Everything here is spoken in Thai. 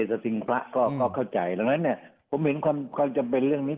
สติงพระก็เข้าใจดังนั้นเนี่ยผมเห็นความจำเป็นเรื่องนี้